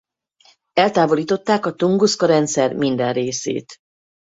Eltávolították a Tunguszka rendszer minden részét.